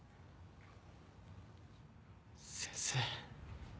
先生。